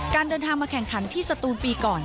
เดินทางมาแข่งขันที่สตูนปีก่อน